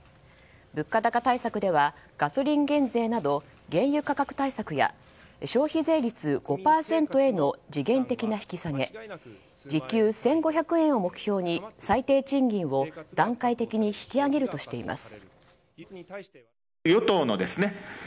物価高対策ではガソリン減税など原油価格対策や消費税率５％への時限的な引き下げ時給１５００円を目標に最低賃金を段階的に引き上げるとしています。